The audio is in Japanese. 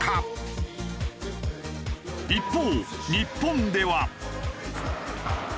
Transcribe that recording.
一方日本では。